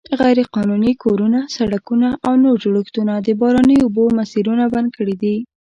غیرقانوني کورونه، سړکونه او نور جوړښتونه د باراني اوبو مسیرونه بند کړي دي.